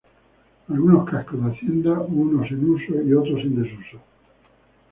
Algunos cascos de haciendas unos en uso y otros en desuso.